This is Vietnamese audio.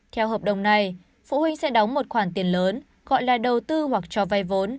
theo hợp đồng này phụ huynh sẽ đóng một khoản tiền lớn gọi là đầu tư hoặc cho vay vốn